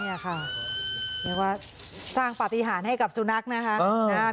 นี่ค่ะเดี๋ยวว่าสร้างปฏิหารให้กับสุนัขนะคะ